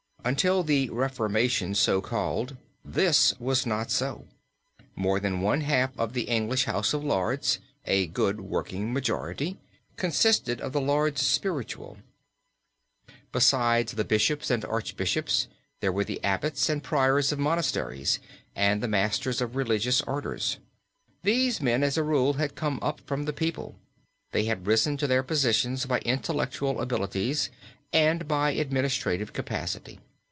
Until the reformation so called this was not so. More than one half of the English House of Lords, a good working majority, consisted of the Lords spiritual. Besides the Bishops and Archbishops there were the Abbots and Priors of monasteries, and the masters of religious orders. These men as a rule had come up from the people. They had risen to their positions by intellectual abilities and by administrative capacity.